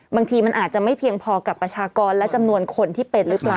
บางทีมันอาจจะไม่เพียงพอกับประชากรและจำนวนคนที่เป็นหรือเปล่า